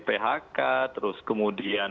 phk terus kemudian